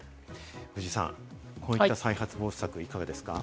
藤井さん、こういった防止策どうですか？